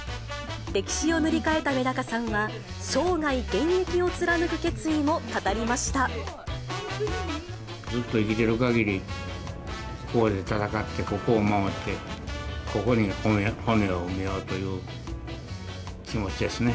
歴史を塗り替えためだかさんは、ずっと生きてるかぎり、ここで戦って、ここを守って、ここに骨を埋めようという気持ちですね。